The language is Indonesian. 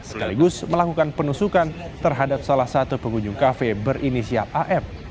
sekaligus melakukan penusukan terhadap salah satu pengunjung kafe berinisial af